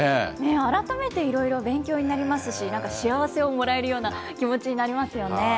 改めていろいろ勉強になりますし、なんか幸せをもらえるような気持ちになりますよね。